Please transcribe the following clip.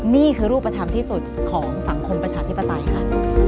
นี่คือรูปธรรมที่สุดของสังคมประชาธิปไตยค่ะ